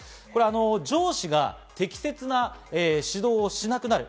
上司が適切な指導をしなくなる。